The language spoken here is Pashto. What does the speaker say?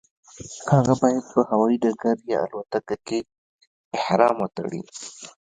هغه باید په هوایي ډګر یا الوتکه کې احرام وتړي.